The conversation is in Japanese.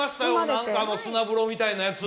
何か砂風呂みたいなやつ